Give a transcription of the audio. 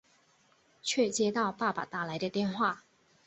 却接到爸爸打来的电话